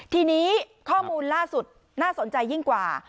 ทีนี้ข้อมูลล่าสุดน่าสนใจยิ่งกว่า